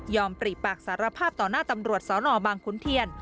ยอมปริปากสารภาพต่อหน้าตำรวจสอนอบังคุณเทียน